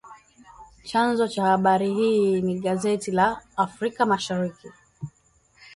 Chanzo cha habari hii ni gazeti la “Afrika Mashariki.”